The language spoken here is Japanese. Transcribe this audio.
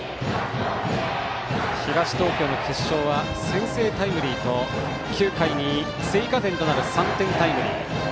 東東京の決勝は先制タイムリーと９回に追加点となる３点タイムリー。